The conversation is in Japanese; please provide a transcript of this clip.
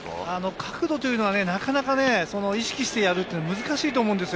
角度はなかなか意識してやるのは難しいと思うんですよ。